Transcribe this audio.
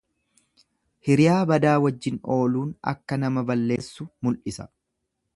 Hiriyaa badaa wajjin ooluun akka nama balleessu mul'isa.